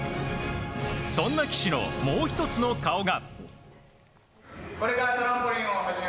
そんな岸のもう１つの顔が。